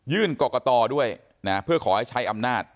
กรกตด้วยนะเพื่อขอให้ใช้อำนาจ